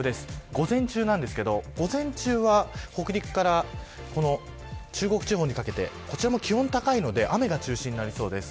午前中ですが午前中は北陸から中国地方にかけてこちらも気温が高いので雨が中心になりそうです。